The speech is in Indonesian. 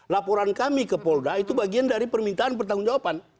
laporan kami ke polda itu bagian dari permintaan pertanggung jawaban